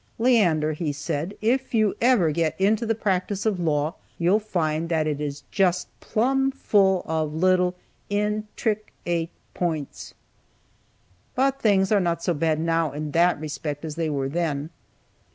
"Leander," said he, "if ever you get into the practice of law, you'll find that it is just plum full of little in trick ate pints." (But things are not as bad now in that respect as they were then.)